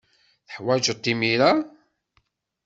Teḥwajed-t imir-a?